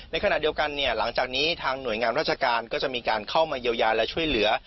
ในขณะเดียวกันเนี่ยหลังจากนี้ทางหน่วยงานราชการก็จะมีการเข้ามาเยียวยาและช่วยเหลือ